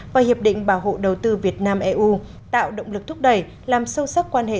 và hiệp định bảo hộ đầu tư việt nam eu tạo động lực thúc đẩy làm sâu sắc quan hệ